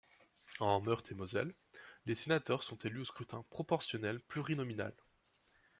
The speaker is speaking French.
En Meurthe-et-Moselle, les sénateurs sont élus au scrutin proportionnel plurinominal.